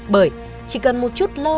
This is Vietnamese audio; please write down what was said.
bởi chỉ cần một chút lơ lạc